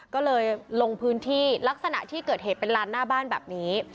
ก็เลยลงพื้นที่ลักษณะที่เกิดเหตุเป็นลานหน้าบ้านแบบนี้